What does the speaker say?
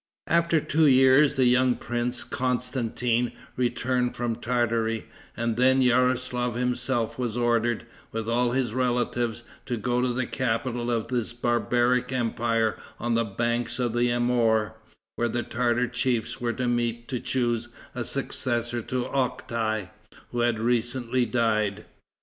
After two years, the young prince, Constantin, returned from Tartary, and then Yaroslaf himself was ordered, with all his relatives, to go to the capital of this barbaric empire on the banks of the Amour, where the Tartar chiefs were to meet to choose a successor to Octai, who had recently died.